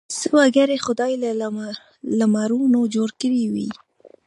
څه وګړي خدای له لمرونو جوړ کړي وي.